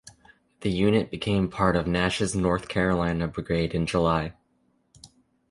The unit became part of Nash's North Carolina Brigade in July.